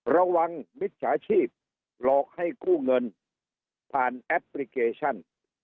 มิจฉาชีพหลอกให้กู้เงินผ่านแอปพลิเคชัน